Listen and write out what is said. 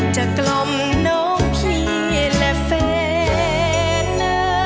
จะกล่อมหน้าพี่และแฟนในเพลง